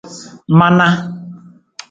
Manaa.